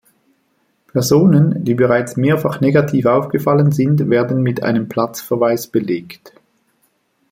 Personen, die bereits mehrfach negativ aufgefallen sind, werden mit einem Platzverweis belegt.